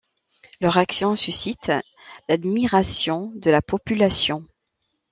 Leur action suscite l'admiration de la population.